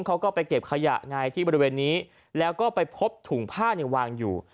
เขาก็ไปเก็บขยะไงที่บริเวณนี้แล้วก็ไปพบถุงผ้าเนี่ยวางอยู่